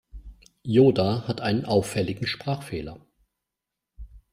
Yoda hat einen auffälligen Sprachfehler.